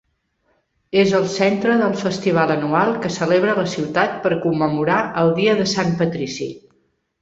És el centre del festival anual que celebra la ciutat per commemorar del Dia de Sant Patrici.